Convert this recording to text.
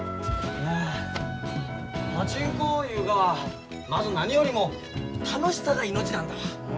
パチンコいうがはまず何よりも楽しさが命なんだわ。